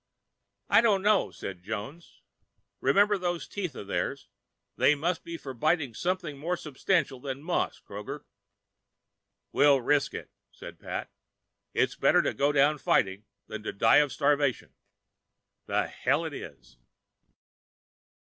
"I dunno," said Jones. "Remember those teeth of theirs. They must be for biting something more substantial than moss, Kroger." "We'll risk it," said Pat. "It's better to go down fighting than to die of starvation." The hell it is.